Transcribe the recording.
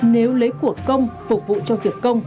nếu lấy cuộc công phục vụ cho đất nước